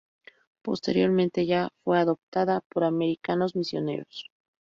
Posteriormente ella fue adoptada por Americanos Misioneros.